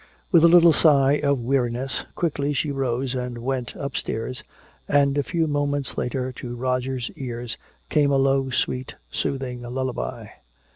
With a little sigh of weariness, quickly she rose and went upstairs, and a few moments later to Roger's ears came a low, sweet, soothing lullaby.